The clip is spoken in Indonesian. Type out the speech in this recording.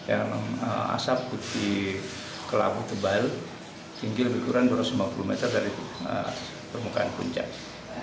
yang asap putih kelabu tebal tinggi lebih kurang dua ratus lima puluh meter dari permukaan puncak